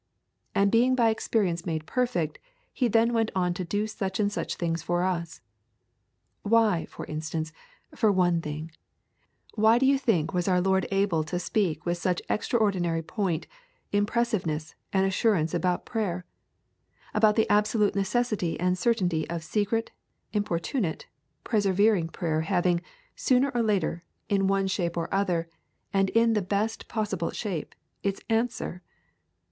And being by experience made perfect He then went on to do such and such things for us. Why, for instance, for one thing, why do you think was our Lord able to speak with such extraordinary point, impressiveness, and assurance about prayer; about the absolute necessity and certainty of secret, importunate, persevering prayer having, sooner or later, in one shape or other, and in the best possible shape, its answer?